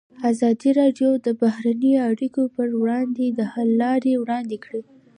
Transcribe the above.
ازادي راډیو د بهرنۍ اړیکې پر وړاندې د حل لارې وړاندې کړي.